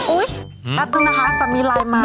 อุ๊ยแอบนึงนะคะสามีลายมา